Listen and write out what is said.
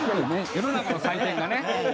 世の中の採点がね。